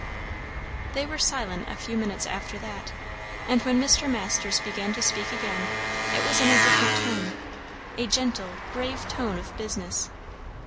They were silent a few minutes after that, and when Mr. Masters began to speak again, it was in a different tone; a gentle, grave tone of business.